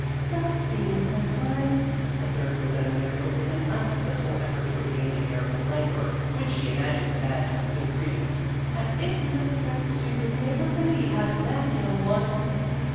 "Does seem sometimes," observed Rosetta Muriel with an unsuccessful effort to regain the air of languor which she imagined the badge of good breeding, "as if nothing I could do would make a lady out of that young one."